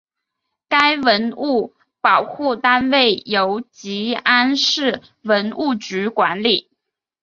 该文物保护单位由集安市文物局管理。